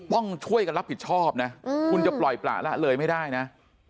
ต้องช่วยกันรับผิดชอบนะคุณจะปล่อยประละเลยไม่ได้นะ